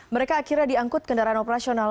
mereka akhirnya diangkut kendaraan operasional